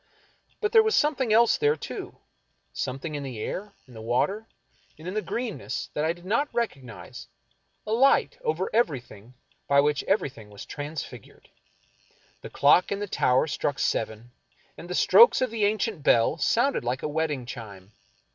But there was something else there, too — something in the air, in the water, and in the greenness that I did not recognize — a light over everything by which everything was transfigured. The clock in the tower struck seven, and the strokes of the ancient bell sounded like a wedding chime.